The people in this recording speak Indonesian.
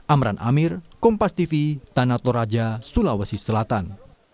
amran amir kompas tv tanatoraja sulawesi selatan